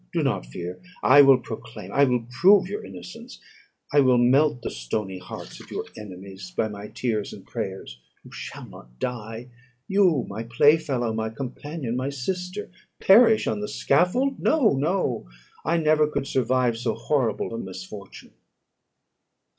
Do not fear. I will proclaim, I will prove your innocence. I will melt the stony hearts of your enemies by my tears and prayers. You shall not die! You, my play fellow, my companion, my sister, perish on the scaffold! No! no! I never could survive so horrible a misfortune."